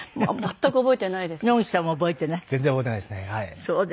全然覚えてないですねはい。